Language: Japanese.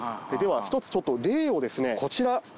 では１つちょっと例をですねこちら。